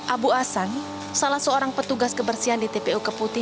abu asang salah seorang petugas kebersihan di tpu kepote